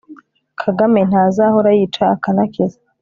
kagame ntazahora yica akanakiza